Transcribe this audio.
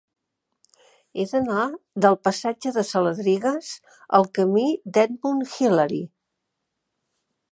He d'anar del passatge de Saladrigas al camí d'Edmund Hillary.